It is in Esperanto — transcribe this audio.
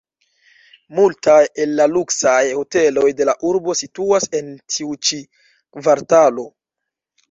Multaj el la luksaj hoteloj de la urbo situas en tiu ĉi kvartalo.